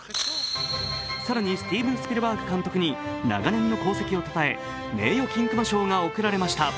更にスティーブン・スピルバーグ監督に長年の功績をたたえ名誉金熊賞が贈られました。